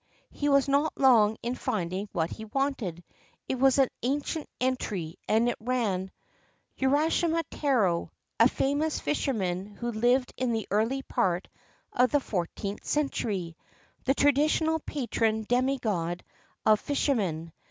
He was not long in finding what he wanted. It was an ancient entry, and it ran :' Urashima Taro a famous fisherman who lived in the early part of the fourteenth century the traditional patron demi god of fishermen.